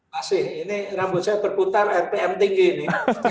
masih ini rambut saya berputar rpm tinggi ini